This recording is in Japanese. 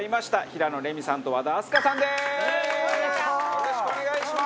よろしくお願いします！